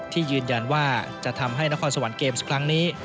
ยืนยันว่าจะทำให้นครสวรรค์เกมส์ครั้งนี้